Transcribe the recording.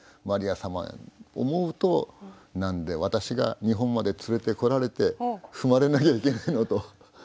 マリア様思うと何で私が日本まで連れてこられて踏まれなきゃいけないのと。